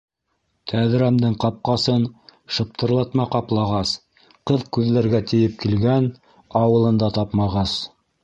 Тәҙрәмдең ҡапҡасын шыптырлатма ҡаплағас, Ҡыҙ күҙләргә тиеп килгән, ауылында тапмағас.